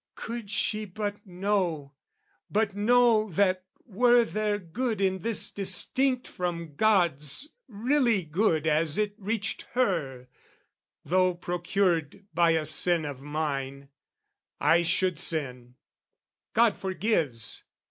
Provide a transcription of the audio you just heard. "Could she but know but know "That, were there good in this distinct from God's, "Really good as it reached her, though procured "By a sin of mine, I should sin: God forgives.